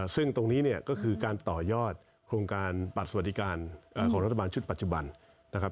ซึ่งตรงนี้เนี่ยก็คือการต่อยอดโครงการบัตรสวัสดิการของรัฐบาลชุดปัจจุบันนะครับ